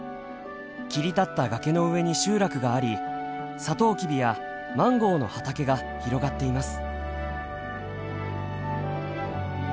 切り立った崖の上に集落がありサトウキビやマンゴーの畑が広がっています。